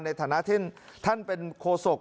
ในฐานะที่ท่านเป็นโคศก